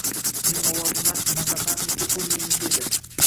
Uning ovozi naq Masatane Kukiniki edi